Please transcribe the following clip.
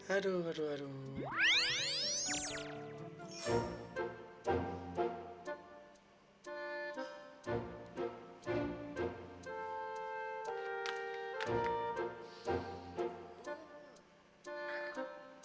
aduh aduh aduh